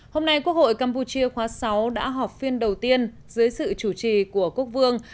hôm nay quốc hội campuchia khóa sáu đã họp phiên đầu tiên dưới sự chủ trì của quốc vương